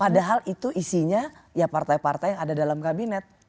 padahal itu isinya ya partai partai yang ada dalam kabinet